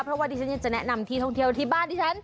เพราะว่าดิฉันยังจะแนะนำที่ท่องเที่ยวที่บ้านที่ฉัน